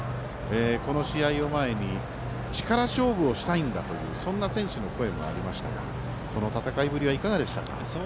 この試合を前に力勝負をしたいんだというそんな選手の声もありましたがこの戦いぶりはいかがでしたか？